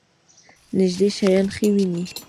نږدې شیان ښه وینئ؟